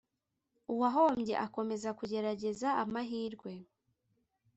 uwahombye akomeza kugerageza amahirwe